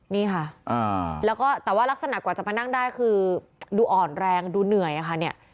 นี่ค่ะแล้วก็แต่ว่ารักษณะกว่าจะมานั่งได้คือดูอ่อนแรงดูเหนื่อยอะค่ะเนี่ย